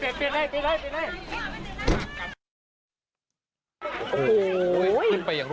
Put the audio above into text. อันนี้คือพวกหน้ากว่านี้